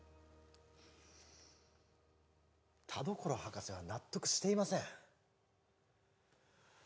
田所博士は納得していません